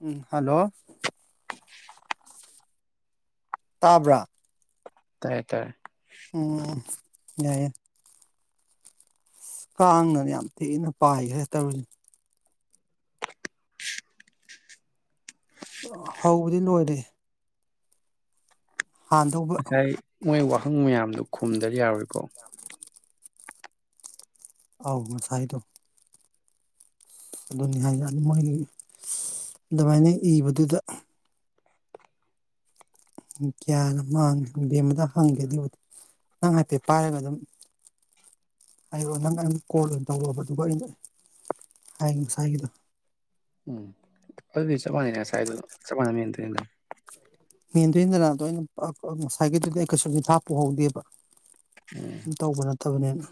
ꯎꯝ hello.. ꯇꯥꯕ꯭ꯔꯥ꯫ ꯇꯥꯏꯌꯦ ꯇꯥꯏꯌꯦ꯫ ꯎꯝ ꯌꯥꯏꯌ‌ꯦ꯫ ꯀꯥꯡꯅ ꯌꯥꯝ ꯊꯤꯅ ꯄꯥꯏꯈ꯭ꯔꯦ ꯇꯧꯔꯤꯁꯤ꯫ ꯍꯧꯕꯗꯤ ꯂꯣꯏꯔꯦ꯫ ꯍꯥꯟꯗꯧꯕ꯫ ꯉꯁꯥꯏ ꯃꯣꯏ ꯋꯥꯍꯪ ꯃꯌꯥꯝꯗꯨ ꯈꯨꯝꯗ ꯌꯥꯔꯣꯏꯀꯣ꯫ ꯑꯥꯎ ꯉꯁꯥꯏꯗꯣ꯫ ꯑꯗꯨꯅꯤ ꯍꯥꯏ ꯌꯥꯅꯤ ꯃꯣꯏꯒꯤ ꯑꯗꯨꯃꯥꯏꯅ ꯏꯕꯗꯨꯗ ꯒ꯭ꯌꯥꯅ ꯃꯥꯡꯉꯦ ꯕꯦꯝꯃꯗ ꯍꯪꯒꯦ ꯑꯗꯨꯕꯨꯗꯤ ꯅꯪ ꯍꯥꯏꯐꯦꯠ ꯄꯥꯏꯔꯒ ꯑꯗꯨꯝ ꯍꯥꯏꯔꯛꯑꯣ ꯅꯪ ꯑꯩꯝ ꯀꯣꯜ ꯑꯣꯏꯅ ꯇꯧꯔꯕ ꯑꯗꯨꯒ ꯑꯩꯅ ꯍꯥꯏ ꯉꯁꯥꯏꯒꯤꯗꯣ ꯎꯝ ꯑꯗꯨꯗꯤ ꯆꯞ ꯃꯥꯟꯅꯩꯅꯦ ꯉꯁꯥꯏꯗꯨ ꯆꯞ ꯃꯥꯟꯅꯩ ꯃꯦꯟꯗꯣꯏꯗꯅ ꯖꯒ ꯑꯩꯅ ꯉꯁꯥꯏꯒꯤꯗꯨꯗꯤ ꯑꯩ ꯀꯩꯁꯨꯗꯤ ꯍꯥꯞꯄꯍꯧꯗꯦꯕ ꯎꯝ ꯎ ꯇꯧꯕ ꯅꯠꯇ ꯐꯠꯇꯕꯅꯦꯅ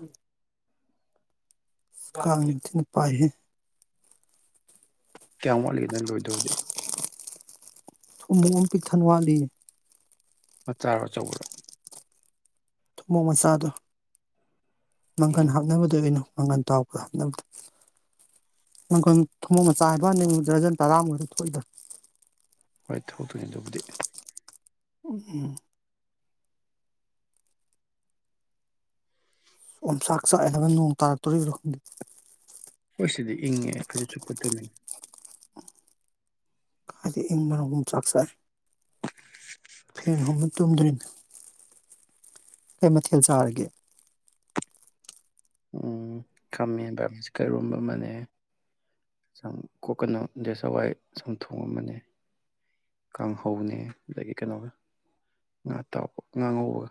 ꯀꯥꯡ ꯅꯤꯡꯊꯤꯅ ꯄꯥꯏꯍꯦ ꯀꯌꯥꯝ ꯋꯥꯠꯂꯤꯒꯦꯗꯪ ꯂꯣꯏꯗꯕꯗꯤ ꯑꯃꯨꯛ ꯑꯃꯨ ꯄꯤꯛꯊꯟꯋꯥꯠꯂꯤ ꯍ ꯆꯥꯔꯣ ꯑꯆꯧꯕꯔꯣ ꯊꯨꯃꯣꯛ ꯃꯆꯥꯗꯣ ꯃꯪꯀꯟ ꯎꯝ ꯍꯥꯞꯅꯕꯗꯅꯣ ꯃꯪꯒꯟ ꯇꯥꯎꯕ ꯍꯥꯅꯕꯗ ꯅꯪꯈ ꯊꯣꯡꯃꯣꯛ ꯃꯆꯥ ꯍꯥꯏꯕ ꯅ ꯗ꯭ꯔꯖꯟ ꯇꯔꯥꯃꯔ ꯊꯣꯛꯏꯗ ꯍꯣꯏ ꯊꯕꯛ ꯇꯨꯁꯤꯟꯗꯕꯨꯗꯤ ꯎꯝ ꯑꯣꯟꯁꯥꯛ ꯆꯥꯛꯑꯦ ꯍꯥꯏꯕ ꯅꯣꯡ ꯇꯔꯥꯛ ꯇꯧꯔꯤꯕ ꯈꯪꯗ ꯍꯣꯏ ꯁꯤꯗꯤ ꯏꯪꯉꯦ ꯈꯖꯤ ꯁꯨꯞꯄ ꯇꯣꯝꯃꯤꯅꯤ ꯀꯗꯤ ꯏꯃ ꯃꯅꯨꯡ ꯆꯥꯛ ꯆꯥꯏ ꯐꯦꯟ ꯍꯣꯡꯕ ꯇꯨꯝꯗ꯭ꯔꯤꯅꯣ ꯀꯩ ꯃꯊꯦꯜ ꯆꯥꯔꯒꯦ ꯈꯥꯃꯦꯟꯦꯟꯕꯔꯣꯟꯁꯦ ꯀꯩꯔꯣꯕ ꯑꯃꯅꯦ ꯁꯨꯝ ꯀꯣꯛꯀꯅ ꯑꯦ ꯍꯋꯥꯏ ꯁꯨꯝ ꯊꯣꯡ ꯑꯃꯅꯦ ꯀꯥꯡꯍꯧꯅꯦ ꯑꯗꯒꯤ ꯀꯩꯅꯣꯒ ꯉꯥ ꯑꯇꯥꯎꯕ ꯉꯥꯡꯍꯧꯕꯒ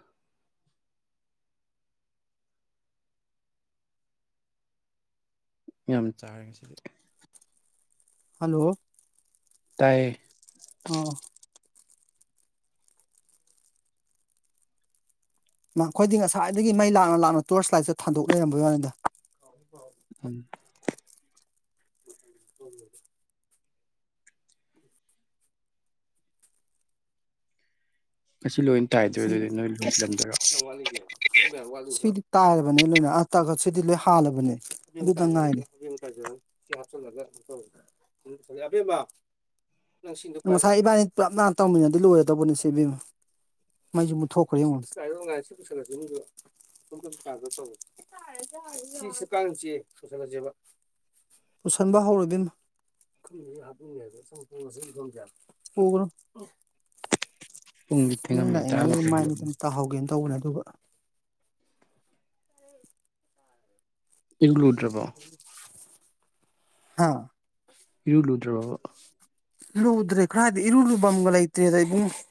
ꯌꯥꯝ ꯆꯥꯔꯦ ꯉꯁꯤꯗꯤ ꯍꯜꯂꯣ ꯇꯥꯏꯌꯦ ꯑꯣ ꯑꯩꯈꯣꯏꯗꯤ ꯉꯁꯥꯏꯗꯒꯤ ꯃꯩ ꯂꯥꯛꯅ ꯂꯥꯛꯅ ꯇꯣꯔꯆ ꯂꯥꯏꯠꯁ ꯊꯥꯟꯗꯣꯛ ꯂꯩꯔꯝꯕ ꯋꯥꯅꯤꯗ ꯎꯝ ꯎ ꯀꯁꯤ ꯑ ꯋꯥꯒꯦ ꯑꯗꯨ ꯇꯥꯏꯔꯕꯅꯦ ꯂꯣꯏꯅ ꯑ ꯇꯈꯠꯁꯤꯗꯤ ꯂꯣꯏ ꯍꯥꯜꯂꯕꯅꯦ ꯑꯗꯨꯗ ꯉꯥꯏꯔꯦ ꯉꯁꯥꯏ ꯏꯕꯥꯅꯤ ꯄꯨꯂꯞꯅ ꯇꯧꯃꯤꯟꯅꯗꯤ ꯂꯣꯏꯔꯗꯧꯕꯅꯦ ꯁꯤ ꯃꯩꯁꯤ ꯃꯨꯠꯊꯣꯛꯈ꯭ꯔꯦꯉꯣꯟ ꯄꯨꯁꯟꯕ ꯍꯧꯔꫭ ꯏꯕꯦꯝꯃ ꯄꯨꯡ ꯃꯩ ꯂꯥꯛꯏꯉꯥꯏꯒꯤ ꯃꯥꯏ ꯃꯤꯠ ꯇꯥꯍꯧꯒꯦ ꯇꯧꯅꯦ ꯑꯗꯨꯒ ꯏꯟꯀ꯭ꯂꯨꯗ꯭ꯔꯕꯣ ꯑꯥ ꯏꯔꯨ ꯂꯨꯗ꯭ꯔꯤꯕꫭꯕ ꯂꯨꯗ꯭ꯔꯦ ꯀꯥꯏꯗꯩ ꯏꯔꯨ ꯂꯨꯕꯝꯒ ꯂꯩꯇꯔꯦꯗ ꯏꯕꯨꯡꯉꫭ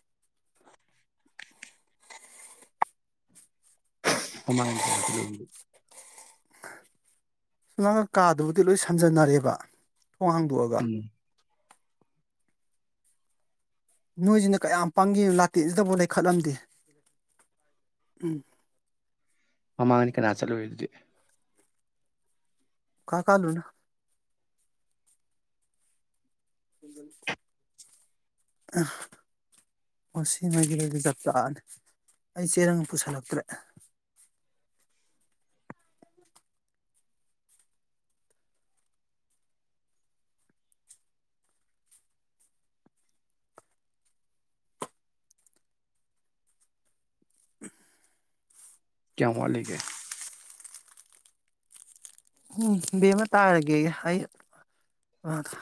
ꯀꯃꯥꯏ ꯀ ꯍꯥ ꯂꯒ ꯅꯪꯅ ꯀꯥꯗꯨꯕꯨꯗꯤ ꯂꯣꯏ ꯁꯝꯖꯟꯅꯔꯦꯕ ꯊꯣꯡ ꯍꯥꯡꯗꯣꯛꯑꯒ ꯎꯝ ꯅꯣꯏꯁꯤꯅ ꯀꯌꯥꯝ ꯄꯥꯡꯒꯦ ꯂꯥꯇꯦꯁꯤꯗꯕꯥꯎ ꯂꯩꯈꯠꯂꯝꯗꯦ ꯎꯝ ꯃꯃꯥꯡꯗꯤ ꯀꯅꯥ ꯆꯠꯂꯨꯔꯦ ꯑꯗꯨꯗꯤ ꯀꯥ ꯀꯥꯂꯨꯅ ꯎ ꯑꯣ ꯁꯤ ꯃꯣꯏꯁꯤꯒꯗꯤ ꯆꯞ ꯆꯥꯔꯅꯤ ꯑꯩ ꯆꯦꯔꯪ ꯄꯨꯁꯜꯂꯛꯇ꯭ꯔꯦ ꯀꯌꯥꯃ ꯋꯠꯂꯤꯒꯦ ꯎꯝ ꯕꯦꯃꯃ ꯇꯥꯏꯔꯒꯦ ꯑꯩ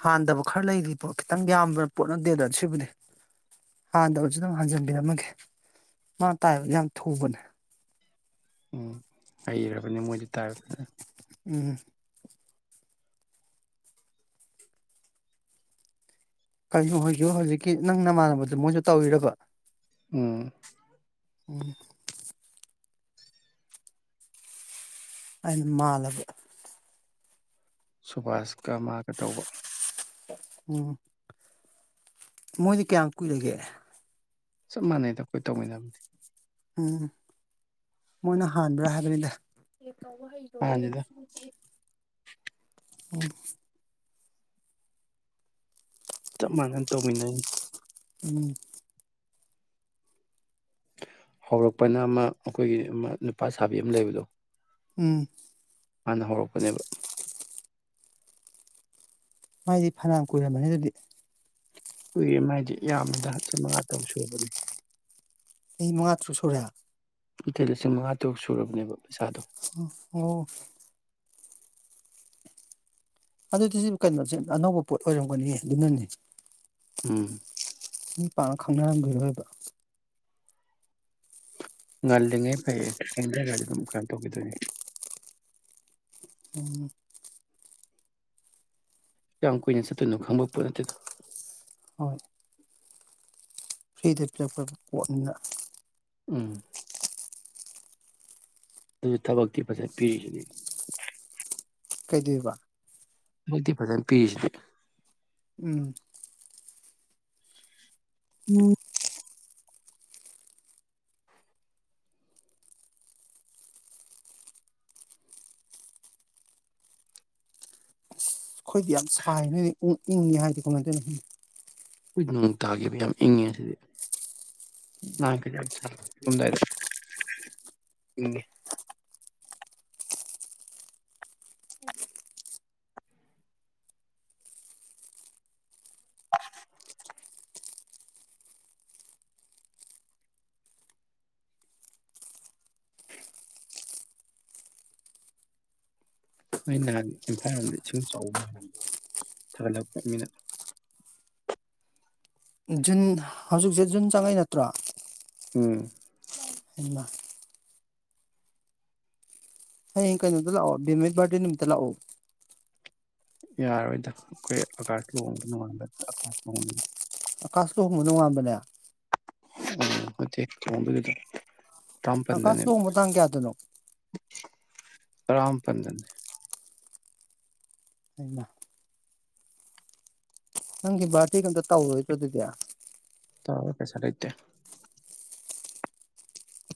ꯍꯥꯟꯗꯕ ꯈꯔ ꯂꯩꯔꯤꯗꯣ ꯈꯤꯇꯪ ꯌꯥꯝꯕ꯭ꯔ ꯄꯣꯠ ꯅꯠꯇꯦꯗ ꯁꯤꯕꯨꯗꯤ ꯍꯥꯟꯗꯕꯁꯨ ꯑꯗꯨꯝ ꯍꯟꯖꯤꯟꯕꯤꯔꯝꯃꯒꯦ ꯃꯥ ꯇꯥꯏꯕꯗꯤ ꯌꯥꯝ ꯊꯨꯕꯅꯦ ꯎꯝ ꯍꯩꯔꯕꯅꯦ ꯃꯣꯏꯗꯤ ꯇꯥꯏꯕꯗ ꯎꯝ ꯀꯩꯅꯣ ꯍꯣꯏꯁꯨ ꯍꯧꯖꯤꯛꯀꯤ ꯅꯪ ꯅꯃꯥꯟꯅꯕ ꯃꯣꯏꯁꯨ ꯇꯧꯋꯔꯕ ꯎꯝ ꯎ ꯑꯩ ꯃꯥꯜ ꯂꯕ ꯁꯨꯕꯥꯁꯀ ꯃꯥꯒ ꯇꯧꯕ ꯎꯝ ꯃꯣꯏꯗꯤ ꯀꯌꯥꯝ ꯀꯨꯏꯔꯒꯦ ꯆꯞ ꯃꯥꯟꯅꯩꯗ ꯇꯧꯃꯤꯟꯅꯕꯅꯤ ꯎꯝ ꯃꯣꯏꯅ ꯍꯥꯟꯕ꯭ꯔꯥ ꯍꯥꯏꯕꯅꯤꯗ ꯇꯧꯕ ꯍꯩꯔꯣꯏ ꯑꯩ ꯃꯥꯅꯤꯗ ꯁꯤꯗꯤ ꯑꯣ ꯆꯞ ꯃꯥꯟꯅꯅ ꯇꯧꯃꯤꯟꯅꯩꯅꯤ ꯎꯝ ꯍꯧꯔꯛꯄꯅ ꯑꯃ ꯑꯩꯈꯣꯏꯒꯤ ꯑꯃ ꯅꯨꯄꯥ ꯁꯥꯕꯤ ꯑꯃ ꯂꯩꯕꯗꯣ ꯎꯝ ꯃꯅꯥ ꯍꯧꯔꯛꯄꯅꯦꯕ ꯃꯥꯏꯗꯤ ꯐꯅꯌꯥꯝ ꯀꯨꯏꯔꯝꯃꯅꯤ ꯑꯗꯨꯗꯤ ꯀꯨꯏꯔꯦ ꯃꯥꯏꯗꯤ ꯌꯥꯝꯃꯤꯗ ꯂꯤꯁꯤꯡ ꯃꯉꯥ ꯇꯔꯨꯛ ꯁꯨꯕꯅꯤ ꯑꯩ ꯃꯉꯥ ꯇ꯭ꯔꯨꯛ ꯁꯣꯔꯦ ꯅꯥꯇꯦ ꯂꯤꯁꯤꯡ ꯃꯉꯥ ꯇꯔꯨꯛ ꯁꯨꯔꯕꯅꯦ ꯄꯩꯁꯥ ꯑꯣ ꯑꯗꯨꯗꯤꯁꯨ ꯀꯩꯅꯣꯁꯦ ꯑꯅꯧꯕ ꯄꯣꯠ ꯑꯣꯏꯔꯝꯒꯅꯤ ꯑꯗꯨꯅꯅꯦ ꯎꯝ ꯄꯥꯛꯅ ꯈꯪꯅꯔꯝꯈꯤꯔꯣꯏꯕ ꯉꯜꯂꯤꯉꯩ ꯐꯩꯌꯦ ꯁꯤꯗꯒꯥꯔꯗꯤ ꯀꯩꯅꯣ ꯇꯧꯈꯤꯗꯣꯏꯅꯤ ꯎꯝ ꯀꯌꯥꯝ ꯀꯨꯏꯅ ꯆꯠꯇꯣꯏꯅꯨ ꯈꯪꯕ ꯄꯣꯠ ꯅꯠꯇꯦꯗ ꯍꯣꯏ ꯐ꯭ꯔꯤꯗ ꯄꯤꯔꯥꯛꯄ ꯀꯣꯠꯅꯤꯅ ꯎꯝ ꯑꯗꯨ ꯊꯕꯛꯀꯤ ꯐꯥꯖꯟ ꯄꯤꯔꯤꯁꯤꯅꯤ ꯀꯩꯗꯣꯏꯕ ꯊꯕꯛꯇꯤ ꯐꯥꯖꯅꯥ ꯄꯤꯔꯤꯁꯤꯗꯤ ꯎꯝ ꯎꯝ ꯑꯩꯈꯣꯏꯗꯤ ꯌꯥꯝ ꯁꯥꯏꯅꯦ ꯌꯨꯝꯅꯤ ꯍꯥꯏ ꯀꯃꯥꯏ ꯇꯧꯔꯤꯅꯣ ꯈꯪꯗꯦ ꯅꯣꯡ ꯇꯥꯈꯤꯕꯩ ꯌꯥꯝ ꯏꯪꯉꯤꯁꯤꯗꯤ ꯂꯥꯍꯟꯈꯩꯗꯤ ꯌꯥꯝ ꯗꯕꯅꯤ ꯇꯨꯃꯥꯝꯗꯥꯏꯗꯗꯤ ꯏꯪ ꯅꯣꯏ ꯅꯍꯥꯟ ꯏꯝꯐꯥꯜꯔꯣꯝꯗ ꯏꯁꯤꯡ ꯆꯥꯎꯕ ꯊꯥꯒꯠꯂꯛꯄ ꯃꯤꯅ ꯖꯨꯟ ꯍꯧꯖꯤꯛꯁꯦ ꯖꯨꯟ ꯆꯪꯉꯛꯏ ꯅꯠꯇ꯭ꯔꯣ ꯎꯝ ꯏꯃ ꯍꯌꯦꯛ ꯀꯩꯅꯣꯗ ꯂꯥꯛꯑꯣ ꯕꯦꯃꯒꯤ ꯕꯥꯔꯗꯦ ꯅꯨꯃꯤꯠꯇ ꯂꯥꯛꯑꯣ ꯌꯥꯔꯣꯏꯗ ꯑꯩꯈꯣꯏ ꯑꯀꯖ ꯂꯨꯍꯣꯛꯕꯩ ꯅꯣꯉꯟꯕꯅꯤ ꯀꯥꯁꯇ ꯍꯕꯅꯅꯨꯡꯉꯕ ꯎ ꯍꯗꯤ ꯃꯗꯒꯤꯦꯗ [unintelligible] ꯑꯀꯥꯁ ꯂꯨꯍꯣꯡꯕ ꯇꯥꯡ ꯀꯌꯥꯗꯅꯣ ꯇꯔꯥꯝꯄꯟꯗꯅꯦ ꯍꯩꯃꯥ ꯅꯪꯒꯤ ꯕꯥꯔꯗꯦꯒ ꯑꯝꯇꯥ ꯇꯧꯔꯣꯏꯗ꯭ꯔ ꯑꯗꯨꯗꯤ ꯄꯩꯁꯥ ꯂꯩꯇꯦ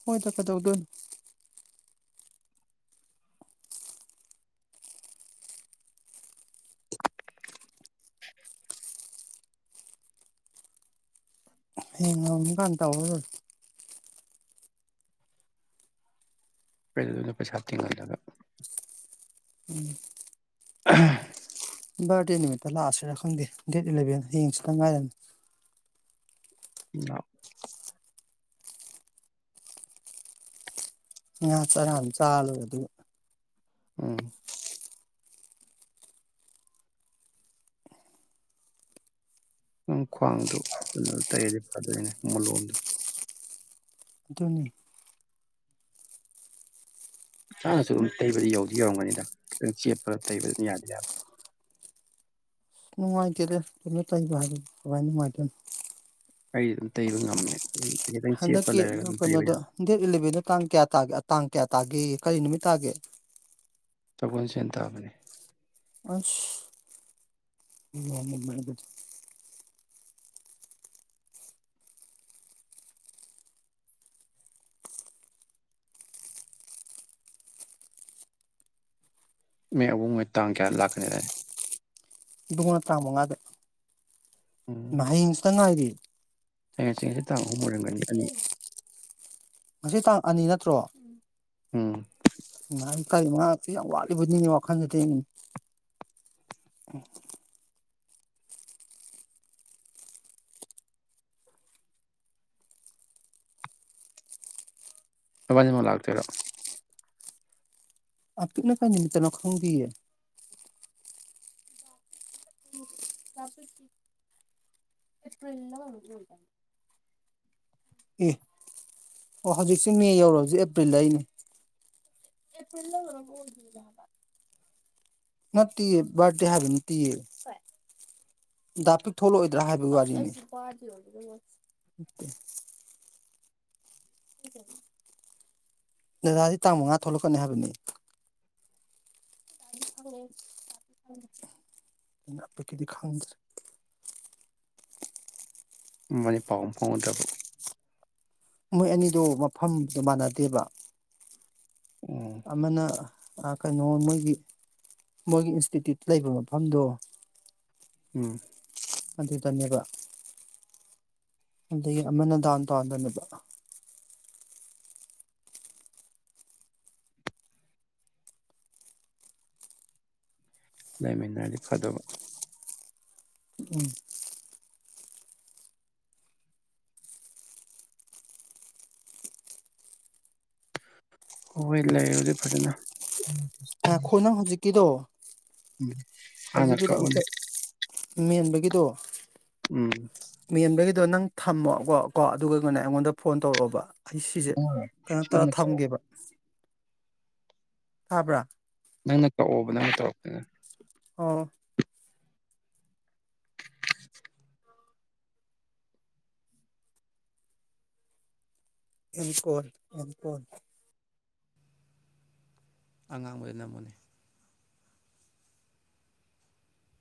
ꯍꯣꯏꯗ ꯀꯩꯗꯧꯗꯨꯔꯤꯒꯦ ꯍꯌꯦꯡ ꯉꯝꯃꯥ ꯀꯥꯟꯗ ꯇꯧꯔ ꯂꯣꯏꯔꯦ ꯀꯩꯗꯧꯗꯣꯏꯅꯣ ꯄꯩꯁꯥ ꯇꯤꯡꯍꯟꯂꯒ [unintelligible] ꯕꯥꯔꯗꯦ ꯅꯨꯃꯤꯠꯇ ꯂꯥꯛꯑꯁꯤꯔꯥ ꯈꯪꯗꯦ ꯗꯦꯠ ꯏꯂꯚꯦꯟ ꯍꯌꯦꯡ ꯍꯪꯆꯤꯠꯇ ꯉꯥꯏꯔꯅꯤ [unintelligible] ꯉꯥ ꯆꯔꯥ ꯑꯃꯥ ꯆꯔ ꯂꯣꯏꯔꯗꯨꯕꯨ ꯈ꯭ꯋꯥꯡꯗꯣ ꯀꯩꯅꯣ ꯇꯩꯗꯤ ꯐꯗꯣꯏꯅꯦ ꯃꯣꯂꯣꯝꯗꯣ ꯑꯗꯨꯅꯤ ꯆꯥꯅꯁꯨ ꯑꯗꯨꯝ ꯇꯩꯕꯗꯤ ꯌꯧꯗꯤ ꯌꯧꯔꯝꯒꯅꯤꯗ ꯈꯤꯇꯪ ꯆꯦꯞꯄꯗ ꯇꯩꯕꯗꯨꯝ ꯌꯥꯗꯤ ꯌꯥꯔ ꯅꯨꯡꯉꯥꯏꯇꯦꯗ ꯇꯕ ꯍꯥꯏ ꯀꯃꯥꯏ ꯅꯨꯡꯉꯥꯏꯇꯣꯏꯅꯣ ꯑꯩ ꯑꯗꯨꯝ ꯇꯩꯕ ꯉꯝꯃꯦ ꯑꯗꯨꯝ ꯈꯤꯇꯪ ꯆꯦꯞꯄ ꯍꯟꯗꯛꯀꯤ ꯂꯩꯔꯒ ꯑꯗꯨꯝ ꯇꯩꯕ ꯀꯩꯅꯣꯗꯣ ꯌꯥꯕ ꯗꯦꯠ ꯏꯂꯚꯦꯟꯗꯣ ꯇꯥꯡ ꯀꯌꯥ ꯇꯒꯦ ꯇꯥꯡ ꯀꯌꯥ ꯇꯥꯒꯦ ꯒꯤ ꯀꯔꯤ ꯅꯨꯃꯤꯠ ꯇꯥꯒꯦ ꯁꯒꯣꯜꯁꯦꯟ ꯇꯥꯕꯅꯦ ꯑꯁ [unintelligible] ꯃꯦ ꯑꯕꯨꯡꯉꯣ ꯍꯣꯢ ꯇꯥꯡ ꯀꯌꯥ ꯂꯥꯛꯀꯅꯤꯗꯥꯏꯅꯦ ꯏꯕꯨꯉꯣꯅ ꯇꯥꯡ ꯃꯉꯥꯗ ꯎꯝ ꯃꯥ ꯍꯌꯦꯡ ꯍꯪꯆꯤꯠꯇ ꯉꯥꯏꯔꯦ [unintelligible] [unintelligible] ꯑꯅꯤ ꯉꯁꯤ ꯇꯥꯡ ꯑꯅꯤ ꯅꯠꯇ꯭ꯔꯣ ꯎꯝ ꯏꯃꯥ ꯑꯩ ꯀꯩꯅꯣ ꯉꯍꯥꯟꯗ ꯌꯥꯝ ꯋꯥꯠꯂꯤꯕꯣꯏ ꯅꯤꯡꯉꯤ ꯋꯥꯈꯜꯗꯗꯤ ꯎ ꯅꯕꯅꯤꯃꯛ ꯂꯥꯛꯇꯣꯏꯔꯣ ꯑꯄꯤꯛꯅ ꯀꯔꯤ ꯅꯨꯃꯤꯇꯅꯣ ꯈꯪꯗꯤꯌꯦ ꯑꯦ ꯑꯣ ꯍꯧꯖꯤꯛꯁꯦ ꯃꯦ ꯌꯧꯔꯕꯁꯦ ꯑꯦꯄ꯭ꯔꯤꯜꯗ ꯑꯩ ꯅꯠꯇꯦꯌꯦ ꯕꯥꯔꯗꯦ ꯍꯥꯏꯕ ꯅꯠꯇꯦꯌꯦ ꯗꯥꯄꯤꯛ ꯊꯣꯛꯂꯛꯑꯣꯏꯗ꯭ꯔꯥ ꯍꯥꯏꯕꯩ ꯋꯥꯔꯤꯅꯤ ꯗꯗꯥꯗꯤ ꯇꯥꯡ ꯃꯉꯥꯗ ꯊꯣꯛꯂꯛꯀꯅꯤ ꯍꯥꯏꯕꯅꯤ ꯑꯄꯤꯛ ꯀꯤꯗꯤ ꯈꯪꯗ꯭ꯔꯤ ꯃꯅꯤ ꯄꯥꯎ ꯑꯝ ꯐꯥꯎꯅꯗ꯭ꯔꯕꯣ ꯃꯣꯏ ꯑꯅꯤꯗꯣ ꯃꯐꯝ ꯃꯥꯟꯅꯗꯦꯕ ꯎꯝ ꯑꯃꯅ ꯑ ꯀꯩꯅꯣ ꯃꯣꯏꯒꯤ ꯃꯣꯏꯒꯤ ꯏꯟꯁꯇꯤꯇ꯭ꯌꯨꯠ ꯂꯩꯕ ꯃꯐꯝꯗꯣ ꯎꯝ ꯑꯗꯨꯗꯅꯦꯕ ꯑꯗꯩꯩ ꯑꯃꯅ ꯗꯥꯎꯟ ꯇꯥꯎꯟꯗꯅꯦꯕ ꯂꯩꯃꯤꯟꯅꯔꯗꯤ ꯐꯗꯕ ꯎꯝ ꯍꯣꯏ ꯂꯩꯔꯨꯁꯦ ꯐꯖꯅ ꯉꯈꯣꯏ ꯅꯪ ꯍꯧꯖꯤꯛꯀꯤꯗꯣ ꯎꯝ ꯍꯥꯟꯅ ꯍꯧꯖꯤꯛꯀꯤꯗꯣ ꯑꯝꯇ ꯀꯛꯑꯣꯅꯦ ꯃꯦꯟꯕꯒꯤ ꯠꯇꯣ ꯎꯝ ꯃꯤ ꯑ ꯑꯃꯗꯒꯤꯗꯣ ꯅꯪ ꯊꯝꯃꯣꯕ ꯀꯣ ꯑꯗꯨꯒ ꯀꯩꯩꯅꯣꯅꯦ ꯑꯩꯉꯣꯟꯗ ꯐꯣꯟ ꯇꯧꯔꯛꯑꯣꯕ ꯑꯩ ꯁꯤꯁꯦ ꯅꯪꯅ ꯀꯩꯅꯣ ꯇꯧꯔ ꯅꯪꯅ ꯀꯛꯑꯣ ꯊꯝꯒꯦꯕ ꯊꯥꯕ꯭ꯔꯥ ꯅꯪꯅ ꯀꯛꯑꯣꯕ ꯅꯪꯅ ꯇꯧꯔꯛꯇꯅ ꯑ ꯑꯦꯝꯀꯣꯜ ꯑꯦꯝꯀꯣꯜ ꯑꯉꯥꯡꯕꯗ ꯅꯝꯕꯅꯤ